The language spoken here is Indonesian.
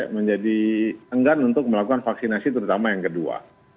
menjadi enggan untuk melakukan vaksinasi terutama yang kedua